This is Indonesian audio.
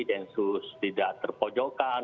jensus tidak terpojokan